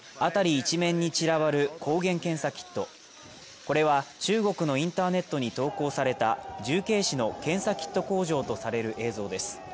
これは中国のインターネットに投稿された重慶市の検査キット工場とされる映像です